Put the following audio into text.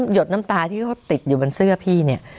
ดน้ำตาที่เขาติดอยู่บนเสื้อพี่เนี่ย